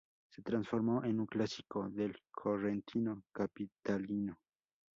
Se transformó en un clásico del correntino "capitalino".